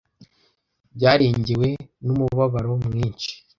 byarengewe numubabaro mwinshi